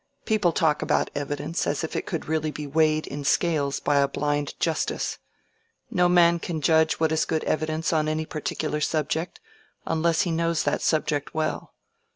People talk about evidence as if it could really be weighed in scales by a blind Justice. No man can judge what is good evidence on any particular subject, unless he knows that subject well.